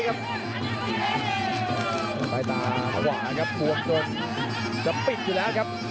กระโดยสิ้งเล็กนี่ออกกันขาสันเหมือนกันครับ